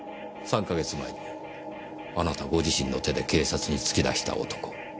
３か月前にあなたご自身の手で警察に突き出した男。